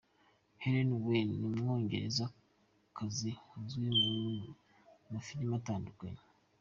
Helen Mirren ni umwongerezakazi uzwi mu mafilimi atandukanye.